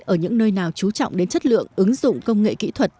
ở những nơi nào trú trọng đến chất lượng ứng dụng công nghệ kỹ thuật